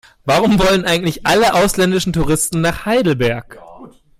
Warum wollen eigentlich alle ausländischen Touristen nach Heidelberg?